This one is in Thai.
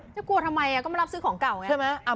จะกลัวทำไมก็มารับซื้อของเก่าใช่ไหมอ่ะ